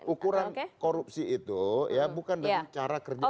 ukuran korupsi itu ya bukan dengan cara kerja